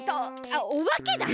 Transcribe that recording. あっおばけだ！